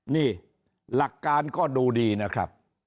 นี่หลักการก็ดูดีนะครับ